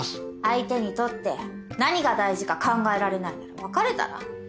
相手にとって何が大事か考えられないなら別れたら？